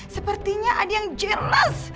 sepertinya ada yang jeles